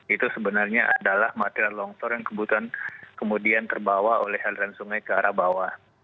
itu sebenarnya adalah material longsor yang kebutuhan kemudian terbawa oleh aliran sungai ke arah bawah